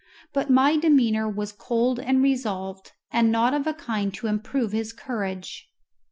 But my demeanour was cold and resolved, and not of a kind to improve his courage.